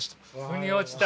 ふに落ちた？